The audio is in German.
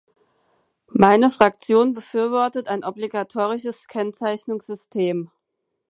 Meine Fraktion befürwortet ein obligatorisches Kennzeichnungssystem.